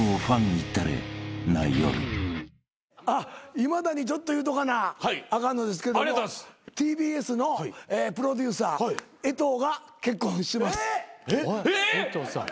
今田にちょっと言うとかなあかんのですけどもＴＢＳのプロデューサーエトウが結婚します。え！